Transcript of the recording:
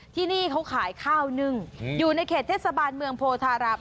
ที่นี่เขาขายข้าวนึ่งอยู่ในเขตเทศบาลเมืองโพธาราม